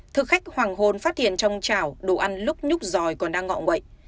thực khách hoàng hồn phát hiện trong chảo đồ ăn lúc nhúc giòi còn đang ngọng quậy